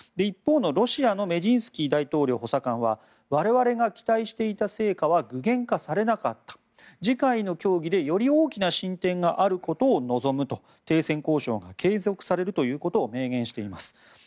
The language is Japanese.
一方のロシアのメジンスキー大統領補佐官は我々が期待していた成果は具現化されなかった次回の協議でより大きな進展があることを望むと停戦交渉が継続されるということを明言しています。